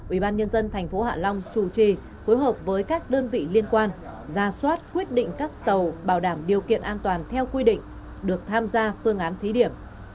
ubnd tp hạ long chủ trì phối hợp với các đơn vị liên quan ra soát quyết định các tàu bảo đảm điều kiện an toàn theo quy định được tham gia phương án thí điểm